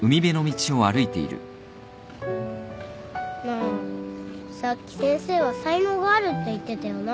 なあさっき先生はさいのうがあるって言ってたよな。